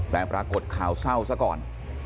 แต่ปรากฏข่าวเศร้าซะก่อน